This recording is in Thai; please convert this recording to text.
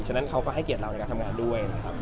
ฉะนั้นเขาก็ให้เกียรติเราในการทำงานด้วยนะครับ